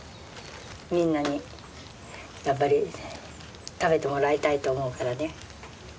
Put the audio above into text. みんなにやっぱり食べてもらいたいと思うからね。